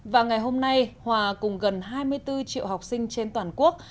và ngày hôm nay hòa cùng gần hai mươi bốn triệu học sinh trên toàn quốc